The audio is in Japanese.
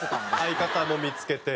相方も見付けて。